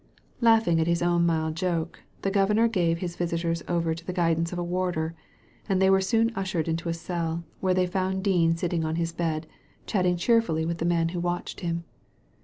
Laughing at hb own mild joke, the Governor gave his visitors over to the guidance of a warder; and they were soon ushered into a cell, where they found Dean sitting on his bed, chatting cheerfully with Digitized by Google THE CONVICTS DEFENCE 237 the man who watched him.